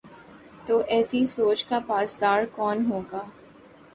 تو ایسی سوچ کا پاسدار کون ہو گا؟